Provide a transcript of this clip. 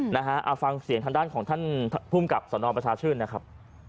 นะฮะเอาฟังเสียงทางด้านของท่านภูมิกับสนประชาชื่นนะครับ